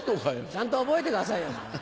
ちゃんと覚えてくださいよ。